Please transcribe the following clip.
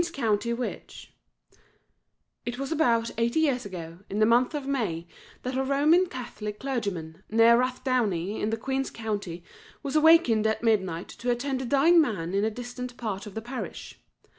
] A QUEEN'S COUNTY WITCH It was about eighty years ago, in the month of May, that a Roman Catholic clergyman, near Rathdowney, in the Queen's County, was awakened at midnight to attend a dying man in a distant part of the parish.